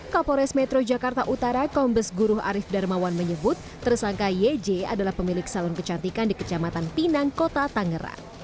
kapolres metro jakarta utara kombes guru arief darmawan menyebut tersangka yj adalah pemilik salon kecantikan di kecamatan pinang kota tangerang